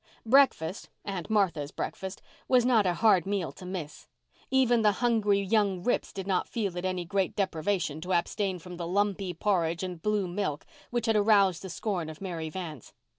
Breakfast—Aunt Martha's breakfast—was not a hard meal to miss. Even the hungry "young rips" did not feel it any great deprivation to abstain from the "lumpy porridge and blue milk" which had aroused the scorn of Mary Vance.